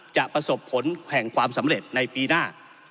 จะประสบผลแห่งความสำเร็จในปีหน้า